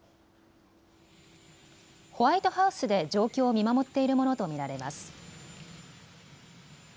ホワイトハウスで状況を見守っているものと見られます。